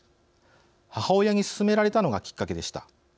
母親に勧められたのがきっかけでした。